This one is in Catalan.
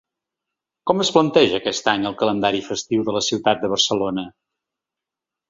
Com es planteja aquest any el calendari festiu de la ciutat de Barcelona?